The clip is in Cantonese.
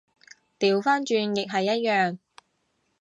掉返轉亦係一樣